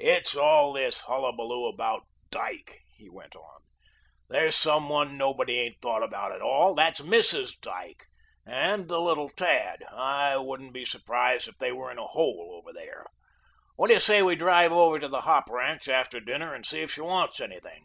"In all this hullabaloo about Dyke," he went on "there's some one nobody ain't thought about at all. That's MRS. Dyke and the little tad. I wouldn't be surprised if they were in a hole over there. What do you say we drive over to the hop ranch after dinner and see if she wants anything?"